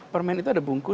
permen itu ada bungkus